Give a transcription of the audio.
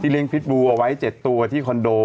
เลี้ยพิษบูเอาไว้๗ตัวที่คอนโด